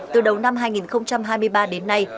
từ đầu năm hai nghìn hai mươi ba đến nay